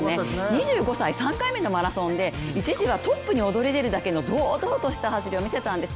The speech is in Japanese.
２５歳、３回目のマラソンで一時はトップに躍り出るだけの堂々とした走りを見せたんです。